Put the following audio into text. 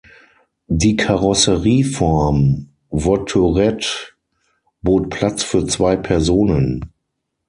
Die Karosserieform Voiturette bot Platz für zwei Personen.